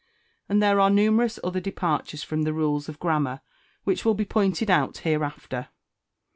And there are numerous other departures from the rules of grammar, which will be pointed out hereafter.